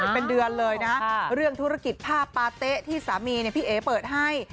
เป็นเดือนเลยนะขอบคุณค่ะเรื่องธุรกิจผ้าปาเต๊ะที่สามีเนี้ยพี่เอ๋เปิดให้